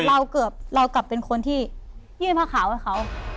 เกือบเรากลับเป็นคนที่ยื่นผ้าขาวให้เขา